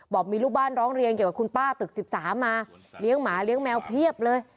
บอกมีลูกบ้านร้องเรียนเกี่ยวกับคุณป้าตึก๑๓มาเลี้ยงหมาเลี้ยงแมวเพียบเลย